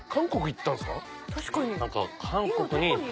確かに。